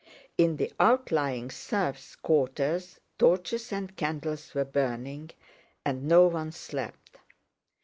In the outlying serfs' quarters torches and candles were burning and no one slept.